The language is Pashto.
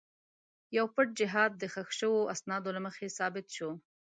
یو پټ جهاد د ښخ شوو اسنادو له مخې ثابت شو.